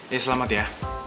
ya selamat ya